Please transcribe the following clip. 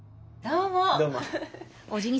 どうも。